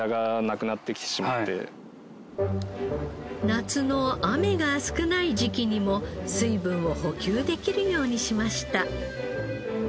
夏の雨が少ない時期にも水分を補給できるようにしました。